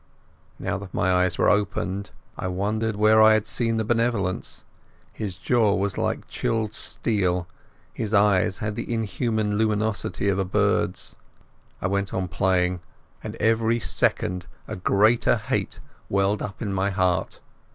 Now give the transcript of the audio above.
Now that my eyes were opened I wondered where I had seen the benevolence. His jaw was like chilled steel, and his eyes had the inhuman luminosity of a bird's. I went on playing, and every second a greater hate welled up in my heart.